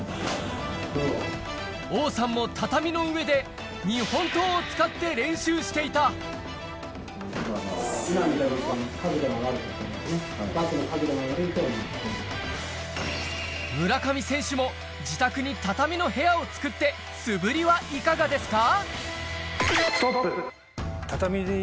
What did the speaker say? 王さんも畳の上で日本刀を使って練習していた村上選手も自宅に畳の部屋を造って素振りはいかがですか？